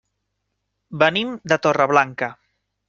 Venim de Torreblanca.